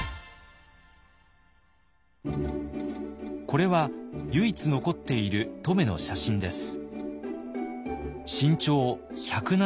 これは唯一残っている乙女の写真です。